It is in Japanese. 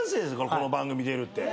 この番組出るって。